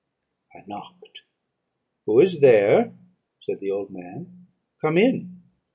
"I knocked. 'Who is there?' said the old man 'Come in.'